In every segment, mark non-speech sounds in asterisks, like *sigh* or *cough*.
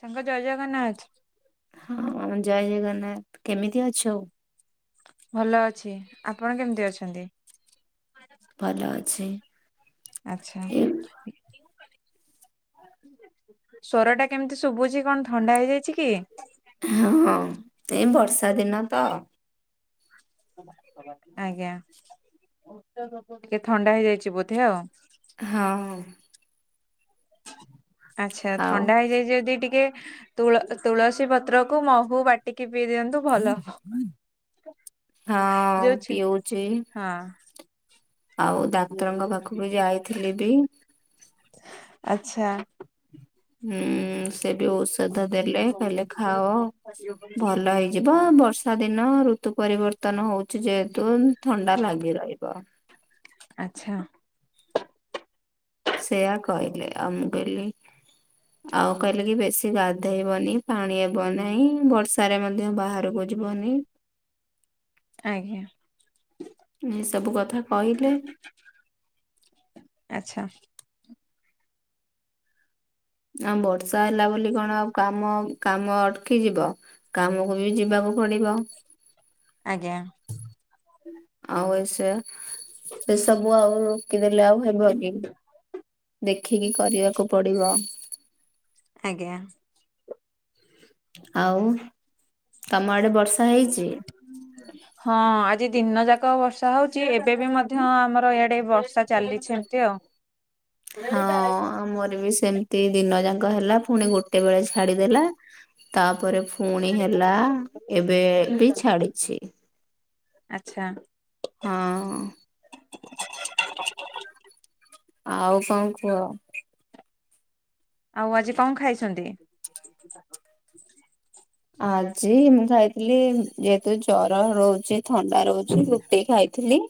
ସାଙ୍ଗ ଜୟ ଜଗନ୍ନାଥ। ହଁ ଜୟ ଜଗନ୍ନାଥ, କେମିତି ଅଛୁ? ଭଲ ଅଛି, ଆପଣ କେମ୍ତି ଅଛନ୍ତି? ଭଲ ଅଛି। ଆଚ୍ଛା, ଏ ସ୍ଵରଟା କେମ୍ତି ଶୁଭୁଛି କଣ ଥଣ୍ଡା ହେଇଯାଇଚି କି? ହଁ, ଏଇ ବର୍ଷାଦିନ ତ ଆଜ୍ଞା, ଟିକେ ଥଣ୍ଡା ହେଇଯାଇଚି ବୋଧେ ଆଉ? ହଁ। ଆଚ୍ଛା, ଆଉ ଥଣ୍ଡା ହେଇଯାଇଚି ଯଦି ଟିକେ ତୁଳ ତୁଳସୀ ପତ୍ର କୁ ମହୁ ବାଟିକି ପିଇ ଦିଅ ଭଲ ହଁ ପିଉଚି *inaudible* ଆଉ ଡାକ୍ତରଙ୍କ ପାଖକୁ ଯାଇଥିଲି ବି ଆଚ୍ଛା। ହୁଁ ସେ ବି ଔଷଧ ଦେଲେ କହିଲେ ଖାଅ ଭଲ ହେଇ ଯିବ ବର୍ଷା ଦିନ ଋତୁ ପରିବର୍ତ୍ତନ ହଉଚି ଯେହେତୁ ଥଣ୍ଡା ଲାଗି ରହିବ। ଆଚ୍ଛା। ସେୟା କହିଲେ ଆ ମୁଁ କଇଲି ଆଉ କହିଲେ କି ବେଶୀ ଗାଧୋଇବନି ପାଣି ହେବ ନାହିଁ ବର୍ଷାରେ ମଧ୍ୟ ବାହାରୁକୁ ଯିବନି। ଆଜ୍ଞା ଏ ସବୁ କଥା କହିଲେ। ଆଚ୍ଛା। ଆ ବର୍ଷା ହେଲା ବୋଲି କଣ ଆଉ କାମ କାମ ଅଟକି ଯିବ। କାମକୁ ବି ଯିବାକୁ ପଡିବ। ଆଜ୍ଞା। ଆଉ ଏ ସେୟା ସେସବୁ ଆଉ ପକିଦେଲେ ଆଉ ହେବକି ଦେଖିକି କରିବାକୁ ପଡିବ। ଆଜ୍ଞା। ଆଉ କାମ ଆଡେ ବର୍ଷା ହେଇଛି? ହଁ ଆଜି ଦିନ ଯାକ ବର୍ଷା ହଉଚି ଏବେ ବି ମଧ୍ୟ ଆମର ଏଇଆଡେ ବ ବର୍ଷା ଚାଲିଛି ଏମତି ଆଉ। ହଁ ଆମର ବି ସେମ ତି ଦିନ ଯାକ ହେଲା ପୁଣି ଗୋଟେ ବେଳେ ଛାଡିଦେଲା ତାପରେ ଫୁ ପୁଣି ହେଲା ଏବେ ବି ଛାଡିଛି। ଆଚ୍ଛା। ହଁ। ଆଉ କଣ କୁହ? ଆଉ ଆଜି କଣ ଖାଇଛନ୍ତି? *inaudible* ଆଜି ମୁଁ ଖାଇଥିଲି ଯେହେତୁ ଜର ରହୁଛି ଥଣ୍ଡା ରହୁଛି ରୁଟି ଖାଇଥିଲି।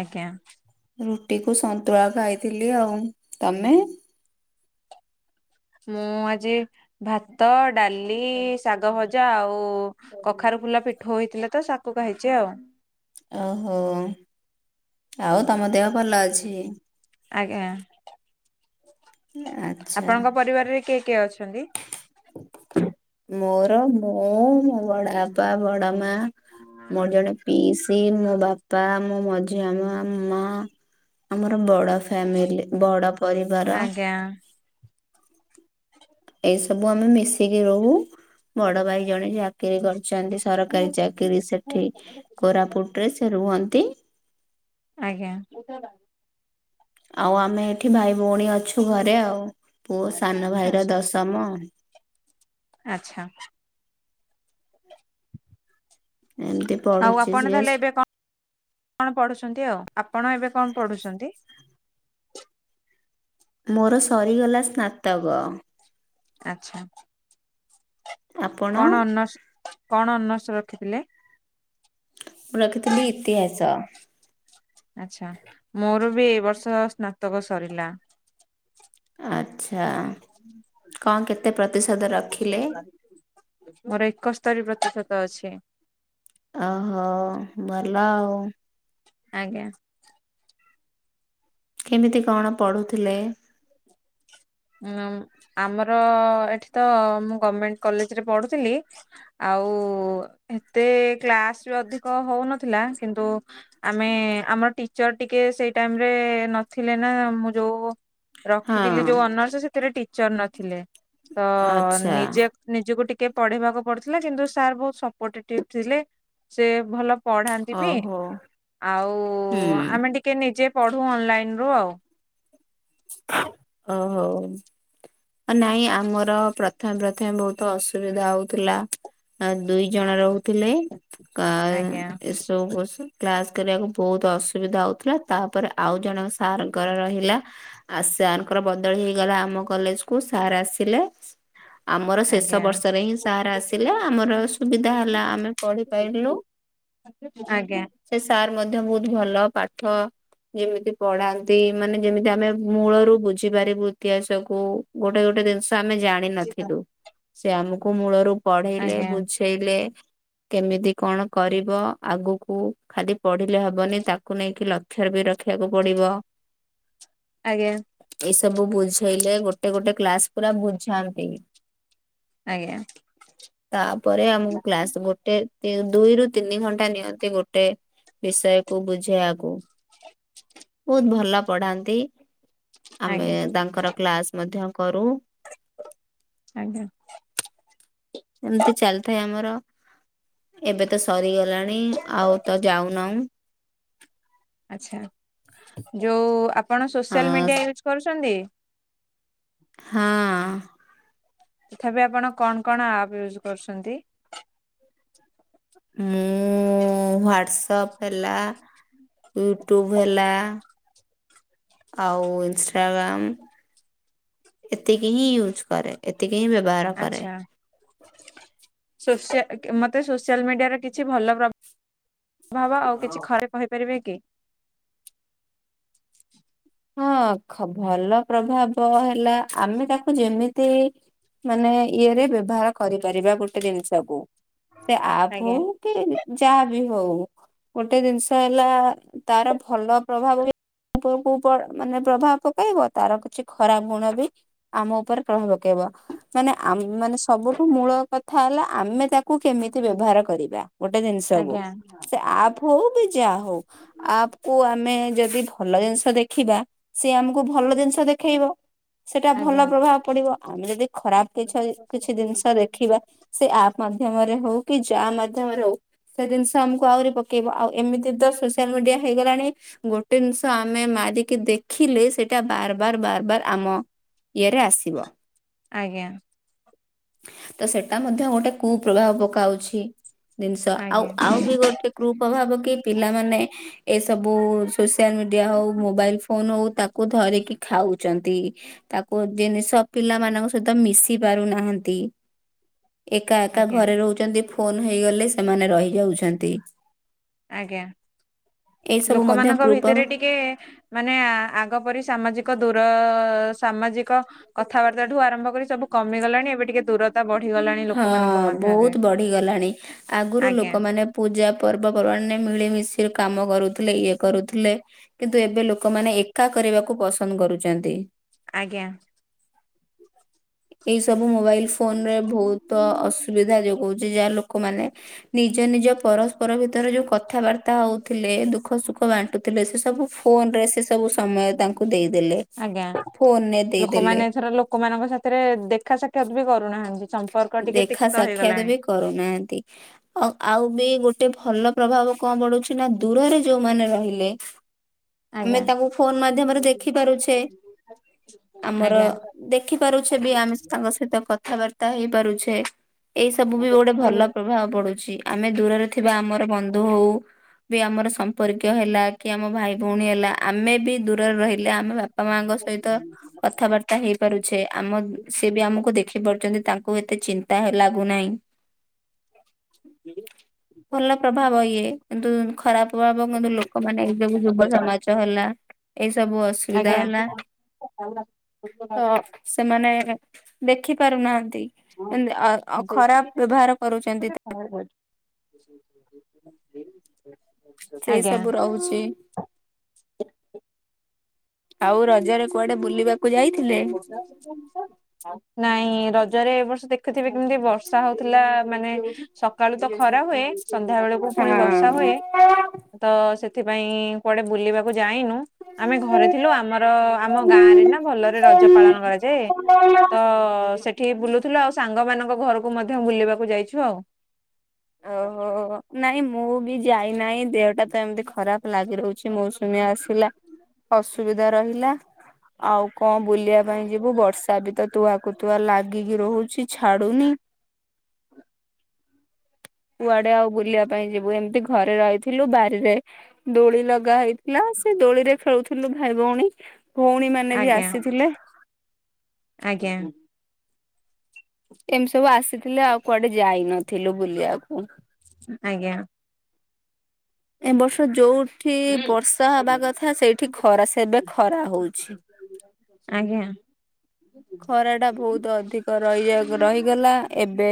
ଆଜ୍ଞା। ରୁଟି କୁ ସନ୍ତୁଳା ଖାଇଥିଲି ଆଉ ତମେ? ମୁଁ ଆଜି ଭାତ ଡାଲି ଶାଗ ଭଜା ଆଉ କଖାରୁ ଫୁଲ ପିଠୋଉ ହେଇଥିଲେ ତ ଶାକୁଖାଇଚି ଆଉ। ଓହୋ ଆଉ ତମ ଦେହ ଭଲ ଅଛି? ଆଜ୍ଞା ଆଚ୍ଛା। ଆପଣଙ୍କ ପରିବାରରେ କିଏ କିଏ ଅଛନ୍ତି? ମୋର ମୁଁ ବଡ ବାପା ବଡ ମା ମୋର ଜଣେ ପିଇସି ମୋ ବାପା ମୋ ମଝିଆ ମା ମୋ ମା ଆମର ବଡ ଫ୍ୟାମିଲି ବଡ ପରିବାର। *unintelligible* ଏଇ ସବୁ ଆମେ ମିଶିକି ରହୁ ବଡ ଭାଇ ଜଣେ ଯା କିରୀ କରିଛନ୍ତି ସରକାରୀ ଚାକିରୀ ସେଠି କୋରାପୁଟ ରେ ସେ ରୁହନ୍ତି। ଆଜ୍ଞା। ଆଉ ଆମେ ଏଠି ଭାଇ ଭଉଣୀ ଅଛୁ ଘରେ ଆଉ ପୁଅ ସାନ ଭାଇର ଆଚ୍ଛା ଦଶମ। ଆଚ୍ଛା। ଏମିତି ଆଉ ପଢୁଛି ଆପଣ ସିଏ। ତାହଲେ ଏବେ କଣ? କଣ ପଢୁଛନ୍ତି ଆଉ? ଆପଣ ଏବେ କଣ ପଢୁଛନ୍ତି? ମୋର ସରିଗଲା ସ୍ନାତକ। ଆଚ୍ଛା। ଆପଣ? କଣ ଅନର୍ସ କଣ ଅନର୍ସ୍ ରଖିଥିଲେ? ମୁଁ ରଖିଥିଲି ଇତିହାସ। ଆଚ୍ଛା ମୋର ବି ଏଇ ବର୍ଷ ସ୍ନାତକ ସରିଲା। ଆଚ୍ଛା କଣ କେତେ ପ୍ରତିଶତ ରଖିଲେ? ମୋର ଏକସ୍ତରୀ ପ୍ରତିଶତ ଅଛି। ଓହୋ ଭଲ ଆଉ। ଆଜ୍ଞା। କେମିତି କଣ ପଢ଼ୁଥିଲେ? ଉଁ ଆମର ଏଇଠି ତ ମୁଁ ଗମେଣ୍ଟ କଲେଜରେ ପଢୁଥିଲି। ଆଉ ଏତେ କ୍ଲାସ ବି ଅଧିକ ହଉନଥିଲା କିନ୍ତୁ ଆମେ ଆମର ଟିଚର୍ ଟିକେ ସେଇ ଟାଇରେ ନଥିଲେ ନା ମୁଁ ଯୋଉ ରଖିଥିଲି ହଁ ଯୋଉ ଅନର୍ସ ସେଥିରେ ଟିଚର୍ ନଥିଲେ ତ ଆଚ୍ଛା ନିଜେ ନିଜକୁ ଟିକେ ପଢେଇବାକୁ ପଡୁଥିଲା କିନ୍ତୁ ସାର୍ ବହୁତ ସପୋର୍ଟେଟିଭ୍ ଥିଲେ। ସେ ଭଲ ପଢ଼ାନ୍ତି ବି। ଓହୋ ଆଉ ହୁଁ। ଆମେ ଟିକେ ନିଜେ ପଢୁ ଅନଲାଇନରୁ ଆଉ। ଓହୋ। ଅଁ ନାଇଁ ଆମର ପ୍ରଥମେ ପ୍ରଥମେ ବହୁତ ଅସୁବିଧା ହଉଥିଲା। ଆ ଦୁଇ ଜଣ ରହୁଥିଲେ। କାଁ ଆଜ୍ଞା ଏସବୁ *unintelligible* କ୍ଲାସ କରିବାକୁ ବହୁତ ଅସୁବିଧା ହଉଥିଲା। ତା ପରେ ଆଉ ଜଣ ସାରଙ୍କର ରହିଲା। ଆଉ ସାରଙ୍କର ବଦଳି ହେଇଗଲା ଆମ କଲେଜକୁ ସାର୍ ଆସିଲେ। ଆମର ଶେଷ ଆଜ୍ଞା ବର୍ଷରେ ହିଁ ସାର୍ ଆସିଲେ। ଆମର ସୁବିଧା ହେଲା ଆମେ ପଢ଼ିପାରିଲୁ। ଆଜ୍ଞା। ସେ ସାର୍ ମଧ୍ୟ ବହୁତ ଭଲ ପାଠ ଯେମିତି ପଢାନ୍ତି ମାନେ ଯେମିତି ଆମେ ମୂଳରୁ ବୁଝିପାରିବୁ ଇତିହାସକୁୁ। ଗୋଟେ ଗୋଟେ ଜିନିଷ ଆମେ ଜାଣିିନଥିଲୁ। ସେ ଆମୁକୁ ମୂଳରୁ ପଢେଇଲେ ଆଜ୍ଞା। ବୁଝ୍ ଝେଇଲେ କେମିତି କଣ କରିବ ଆଗୁକୁ। ଖାଲି ପଢିଲେ ହବନି ତାକୁ ନେଇକି ଲକ୍ଷ୍ୟରେବି ରଖିବାକୁ ପଡିବ। ଆଜ୍ଞା। ଏଇ ସବୁ ବୁଝେଇଲେ ଗୋଟେ ଗୋଟେ କ୍ଲାସ ପୁରା ବୁଝାନ୍ତି। ଆଜ୍ଞା। ତାପରେ ଆମୁକୁ କ୍ଲାସ ଗୋଟେ *unintelligible* ଦୁଇରୁୁ ତିନି ଘଣ୍ଟା ନିଅନ୍ତି ଗୋଟେ ବିଷୟକୁ ବୁଝେଇବାକୁ। ବହୁତ ଭଲ ପଢାନ୍ତି। ଆମେ ଆଜ୍ଞା ତାଙ୍କର କ୍ଲାସ ମଧ୍ୟ କରୁ। ଆଜ୍ଞା। ଏମିତି ଚାଲିଥାଏ ଆମର। ଏବେ ତ ସରିଗଲାଣି ଆଉ ତ ଯାଉନାହୁଁ। ଆଚ୍ଛା। ଯୋଉଁ ଆପଣ ସୋସିଆଲ ମିଡିଆ ହଁ ୟୁଜ୍ କରୁଛନ୍ତି? ହାଁ। ତଥାପି ଆପଣ କଣ କଣ ଆପ୍ ୟୁଜ୍ କରୁଛନ୍ତି? ମୁଁ ମୁଁ ହ୍ଵାଟ୍ସଆପ୍ ହେଲା, ୟୁଟ୍ୟୁବ ହେଲା ଆଉ ଇନଷ୍ଟାଗ୍ରାମ ଏତିକି ହିଁ ୟୁଜ୍ କରେ। ଏତିକି ହିଁ ବ୍ୟବହାର କରେ। ସୋସିଆଲ ମୋତେ ସୋସିଆଲ ମିଡିଆର କିଛି ଭଲ ଗ ଭାବ ଆଉ କିଛି ଖରେ କହିପାରିବେ କି? ହଁ ଖ ଭଲ ପ୍ରଭାବ ହେଲା। ଆମେ ତାକୁ ଯେମିତି ମାନେ ଇଏରେ ବ୍ୟବହାର କରିପାରିବା ଗୋଟେ ଜିନିଷକୁ ସେ ଆପ୍ ଆଜ୍ଞା ହଉ କି କେହି ଯାହା ବି ହଉ। ଗୋଟେ ଜିନିଷ ହେଲା ତାର ଭଲ ପ୍ରଭାବ ବି ଉପରକୁ ପ ମାନେ ପ୍ରଭାବ ପକାଇବ ତାର କିଛି ଖରାପ ଗୁଣ ବି ଆମ ଉପରେ ପ୍ରଭାବ ପକେଇବ। ମାନେ ଆମେ ମାନେ ସବୁଠୁ ମୂଳ କଥା ହେଲା ଆମେ ତାକୁ କେମିତି ବ୍ୟବହାର କରିବା? ଗୋଟେ ଜିନିଷକୁୁ ଆଜ୍ଞା ସେ ଆପ୍ ହଉ କି ଯାହା ହଉ ଆପ୍ ଓ ଆମେ ଯଦି ଭଲ ଜିନିଷ ଦେଖିବା ସିଏ ଆମକୁ ଭଲ ଜିନିଷ ଦେଖେଇବ। ସେଟା ଭଲ ଆଜ୍ଞା ପ୍ରଭାବ ପଡିବ। ଆମେ ଯଦି ଖରାପ କିଛି କିଛି ଜିନିଷ ଦେଖିବା ସେ ଆପ୍ପ ମାଧ୍ୟମରେ ହଉ କି ଯାହା ମାଧ୍ୟମରେ ହଉ ସେ ଜିନିଷ ଆମକୁ ଆହୁରି ପକେଇବ। ଆଉ ଏମିତି ତ ସୋସିଲା ମିଡିଆ ହେଇଗଲାଣି ଗୋଟେ ଜିନିଷ ଆମେ ମାରି କି ଦେଖିଲେ ସେଇଟା ବାର ବାର ବାର ବାର ଆମ ଇଏରେ ଆସିବ। ଆଜ୍ଞା। ତ ସେଟା ମଧ୍ୟ ଗୋଟେ କୁ ପ୍ରଭାବ ପକାଉଛି। ଜିନିଷ ଆଉ ଆଜ୍ଞା ଆଉ ବି ଗୋଟେ କୁ ପ୍ରଭାବ କି ପିଲାମାନେ ଏସବୁ ସୋସିଆଲ ମିଡିଆ ହଉ ମୋବାଇଲ ଫୋନ ହଉ ତାକୁ କୁ ଧରିକି ଖାଉଛନ୍ତି ତାକୁ ଜିନିଷ ପିଲା ମାନଙ୍କ ସହିତ ମିଶି ପାରୁନାହାନ୍ତି। ଏକା ଏକା ଆଜ୍ଞା ଘରେ ରହୁଛନ୍ତି ଫୋନ ହେଇଗଲେ ସେମାନେ ରହିଯାଉଛନ୍ତି। ଆଜ୍ଞା। ଏଇ ସବୁ ମଧ୍ୟ ଲୋକମାନଙ୍କ କୁପ୍ରଭାବ ଭିତରେ ଟିକେ ମାନେ ଆ ଆଗ ପରି ସାମାଜିକ ଦୂର ସାମାଜିକ କଥାବାର୍ତ୍ତା ଠୁ ଆରମ୍ଭ କରି ସବୁ କମିଗଲାଣି। ଏବେ ଟିକେ ଦୂର ତା ବଢିଗଲାଣି। ଲୋକମାନଙ୍କ ହଁ ମଧ୍ୟରେ ବହୁତ ବଢିଗଲାଣି। ଆଗରୁ ଆଜ୍ଞା ଲୋକମାନେ ପୂଜା ପର୍ବପର୍ବାଣୀରେ ମିଳିମିଶି କାମ କରୁଥିଲେ। ଇଏ କରୁଥିଲେ। କିନ୍ତୁ ଏବେ ଲୋକମାନେ ଏକା କରିବାକୁ ପସନ୍ଦ କରୁଛନ୍ତି। ଆଜ୍ଞା। ଏଇ ସବୁ ମୋବାଇଲ ଫୋନ ରେ ବହୁତ ତ ଅସୁବିଧା ଯୋଗଉଛି ଯାହା ଲୋକମାନେ ନିଜ ନିଜ ପରସ୍ପର ଭିତରେ ଯୋଉଁ କଥାବାର୍ତ୍ତା ହଉଥିଲେ ଦୁଃଖ ସୁଖ ବାଣ୍ଟୁଥିଲେ। ସେ ସବୁ ଫୋନ ରେ ସେ ସବୁ ସମୟ ତାଙ୍କୁ ଦେଇଦେଲେ ଫୋନରେ ଦେଇଦେଲେ। ଘର ଲୋକମାନଙ୍କ ସାଥିରେ ଦେଖା ସାକ୍ଷାତ ବି କରୁନାହାନ୍ତି ସମ୍ପର୍କ ଟିକେ ଦେଖା ତିକ୍ତ ହେଇଗଲାଣି। କରୁନାହାନ୍ତି। ହଁ ଆଉ ବି ଗୋଟେ ଭଲ ପ୍ରଭାବ କଣ ପଡୁଛି ନାଁ ଦୂରରେ ଯୋଉଁମାନେ ରହିଲେ? ଆମେ ଆଜ୍ଞା। ତାଙ୍କୁ ଫୋନ ମାଧ୍ୟମରେ ଦେଖି ପାରୁଛେ। ଆମର ଆଜ୍ଞା ଦେ ଦେଖି ପାରୁଛେ ବି ଆମେ ତାଙ୍କ ସହିତ କଥାବାର୍ତ୍ତା ହେଇ ପାରୁଛେ। ଏଇ ସବୁ ବି ଗୋଟେ ଭଲ ଆଜ୍ଞା ପ୍ରଭା ପ୍ରଭାବ ପଡୁଛି ଆମେ ଦୂରରେ ଥିବା ଆମର ବନ୍ଧୁ ବି ଆମର ସମ୍ପର୍କୀୟ ହେଲା କି ଆମ ଭାଇ ଭଉଣୀ ହେଲା। ଆମେ ବି ଦୂରରେ ରହିଲେ ଆମର ବାପା ମାଙ୍କ ସହିତ କଥାବାର୍ତ୍ତା ହେଇ ପାରୁଛେ ଆମ ସିଏ ବି ଆମକୁ ଦେଖି ପାରୁଛନ୍ତି। ତାଙ୍କୁ ଏତେ ଚିନ୍ତା ହିଁ ଲାଗୁନାହିଁ। ଭଲ ପ୍ରଭାବ ଇଏ କିନ୍ତୁ ଖରାପ ପ୍ରଭାବ କିନ୍ତୁ ଲୋକମାନେ ସବୁ ଯୁବ ସମାଜ ହେଲା ଏଇ ସବୁ ଅସ ଅସୁବିଧା ଆଜ୍ଞା ହେଲା ତ ସେମାନେ ଦେଖି ପାରୁନାହାନ୍ତି। ଏମିତି ଅଁ ଅଁ ଖରାପ ବ୍ୟବହାର କରୁଛନ୍ତି। ତା *inaudible* ସେଇ ସବୁ ରହୁ ଚି ଆଉ ରଜାରେ କୁଆଡେ ବୁଲିବା କୁ ଯାଇଥିଲେ। ନାଇଁ ରଜରେ ଏ ବର୍ଷ ଦେଖୁଥିବେ କେମିତି ବର୍ଷା ହଉଥିଲା। ମାନେ ସକାଳୁ ତ ଖରା ହୁଏ ସନ୍ଧ୍ୟା ବେଳକୁ ଫୁଣି ବର୍ଷା ହଁ। ହୁଏ। ତ ସେଥିପାଇଁ କୁଆଡେ ବୁଲିବାକୁ ଯାଇନୁ। ଆମେ ଘରେ ଥିଲୁ ଆମର ଆମ ଗାଁରେ ନା ଭଲରେ ରଜ ପାଳନ କରାଯାଏ। ତ ସେଠି ବୁଲୁଥିଲୁ ଆଉ ସାଙ୍ଗ ମାନଙ୍କ ଘରକୁ ମଧ୍ୟ ବୁଲିବାକୁ ଯାଇଛୁ ଆଉ। ଓହୋ ନାଇଁ ମୁଁ ବି ଯାଇନାହିଁ ଦେହଟା ତ ଏମତି ଖରାପ ଲାଗି ରହୁଛି ମୋ ସୁମି ଆସିଲା ଅସୁବିଧା ରହିଲା। ଆଉ କଣ ବୁଲିବା ପାଇଁ ଯିବୁ ବର୍ଷା ବି ତ ତୁଆକୁ ତୁଆ ଲାଗିକି ରହୁଛି ଛାଡୁନି। କୁଆଡେ ଆଉ ବୁଲିବା ପାଇଁ ଯିବୁ ଏମିତି ଘରେ ରହିଥିଲୁ ବାରିରେ। ଦୋଳି ଲଗା ହେଇଥିଲା ସେ ଦୋଳିରେ ଖେଳୁଥିଲୁ ଭାଇ ଭଉଣୀ ଭଉଣୀ ମାନେ ବି ଆଜ୍ଞା ଆସିଥିଲେ। ଆଜ୍ଞା। ଏମତି ସବୁ ଆସିଥିଲେ ଆଉ କୁଆଡେ ଯାଇନଥିଲୁ ବୁଲିବାକୁ। ଆଜ୍ଞା। ଏ ବର୍ଷ ଯୋଉଠି ବର୍ଷା ହବା କଥା ସେଇଠି ଖରା ସେବେ ଖରା ହଉଛି। ଆଜ୍ଞା। ଖରା ଟା ବହୁତ ଅଧିକ ରହି ଅ ରହିଗଲା ଏବେ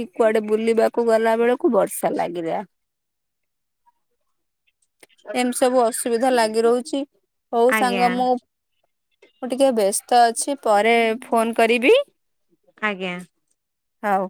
କି କୁଆଡେ ବୁଲିବାକୁ ଗଲା ବେଳକୁ ବର୍ଷା ଲାଗିଲା। ଏମତି ସବୁ ଅସୁବିଧା ଲାଗି ରହୁଛି ହଉ ଆଜ୍ଞା ସାଙ୍ଗ ମୁଁ ମୁଁ ଟିକେ ବେସ୍ତ ଅଛି ପରେ ଫୋନ କରିବି। ଆଜ୍ଞା ହଉ।